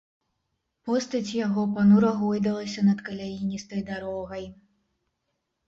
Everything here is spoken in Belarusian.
Постаць яго панура гойдалася над каляіністай дарогай.